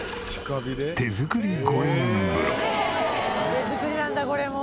手作りなんだこれも。